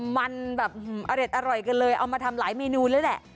มันแบบอร่อยกันเลยเอามาทำหลายเมนูเลยแหละ